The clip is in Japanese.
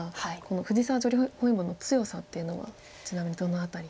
藤沢女流本因坊の強さっていうのはちなみにどの辺りが？